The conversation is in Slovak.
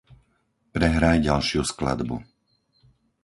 Prehraj ďalšiu skladbu.